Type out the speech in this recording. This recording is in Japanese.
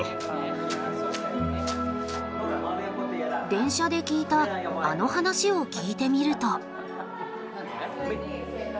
電車で聞いたあの話を聞いてみると。